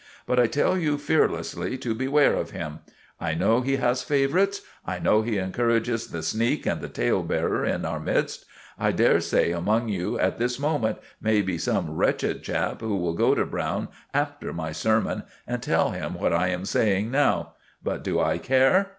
But I tell you fearlessly to beware of him. I know he has favourites; I know he encourages the sneak and the tale bearer in our midst; I dare say among you at this moment may be some wretched chap who will go to Browne after my sermon and tell him what I am saying now; but do I care?